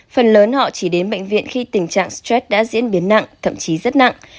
phần lớn họ chỉ đến bệnh viện khi tình trạng stress đã diễn biến nặng thậm chí rất nặng